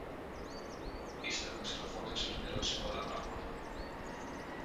Ύστερα με ξαναφώναξε και με ρώτησε πολλά πράματα